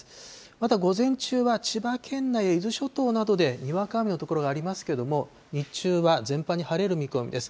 また午前中は千葉県内、伊豆諸島などでにわか雨の所がありますけれども、日中は全般に晴れる見込みです。